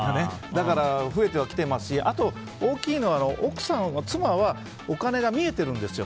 だから増えてはきていますし大きいのは妻はお金が見えてるんですよ